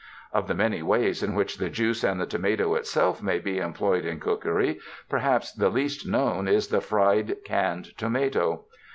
Of the many ways in which the juice and the tomato itself may be employed in cookery, perhaps the least known is the fried canned tomato.